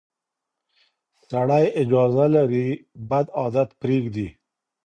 سړی اجازه لري بد عادت پرېږدي.